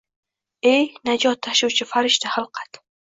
Ey, najot tashuvchi farishta xilqat